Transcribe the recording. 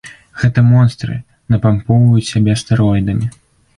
Гэта монстры, напампоўваць сябе стэроідамі.